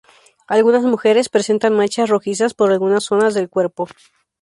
Algunas mujeres presentan manchas rojizas por algunas zonas del cuerpo.